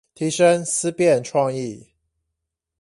提升思辨創意